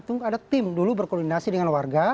itu ada tim dulu berkoordinasi dengan warga